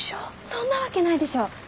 そんなわけないでしょ。